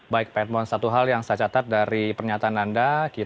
baik pak edmond satu hal yang saya catat dari pernyataan anda